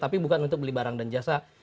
tapi bukan untuk beli barang dan jasa